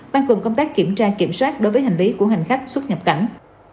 mang cùng công tác kiểm tra kiểm soát đối với hành lý của hành khách xuất nhập cảnh